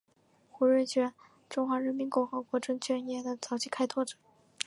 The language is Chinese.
胡瑞荃中华人民共和国证券业的早期开拓者。